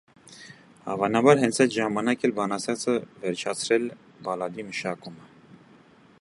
Հավանաբար հենց այդ ժամանակ էլ բանաստեղծը վերջացրել բալլադի մշակումը։